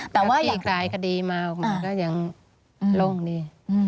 แต่พี่กายคดีมาก็ยังโล่งดี